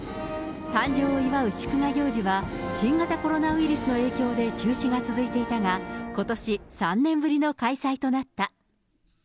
誕生を祝う祝賀行事は、新型コロナウイルスの影響で中止が続いていたが、ことし、３年ぶりの開催となった。